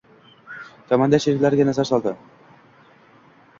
Komandir sheriklariga nazar soldi.